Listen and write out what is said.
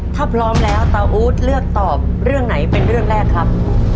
ถ้าพร้อมแล้วตาอู๊ดเลือกตอบเรื่องไหนเป็นเรื่องแรกครับ